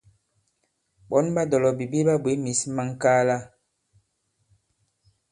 Ɓɔ̌n ɓa dɔ̀lɔ̀bìbi ɓa bwě mǐs ma ŋ̀kaala.